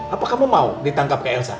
apa kamu mau ditangkap ke elsa